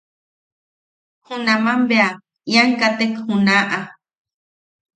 Junaman bea ian katek junaʼa.